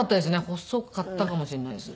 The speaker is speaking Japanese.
細かったかもしれないです。